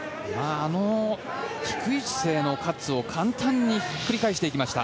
あの低い姿勢のカッツを、簡単にひっくり返していきました。